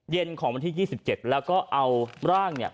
เย็นของวันที่๒๗แล้วก็เอาร่างเนี่ย